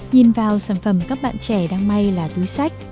nhìn vào sản phẩm các bạn trẻ đang may là túi sách